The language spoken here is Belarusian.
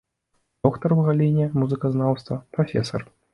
Доктар у галіне музыказнаўства, прафесар.